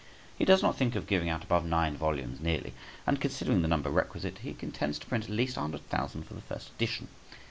He does not think of giving out above nine volumes nearly; and considering the number requisite, he intends to print at least 100,000 for the first edition.